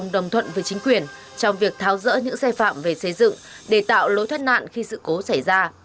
đồng thuận với chính quyền trong việc tháo rỡ những xe phạm về xây dựng để tạo lối thoát nạn khi sự cố xảy ra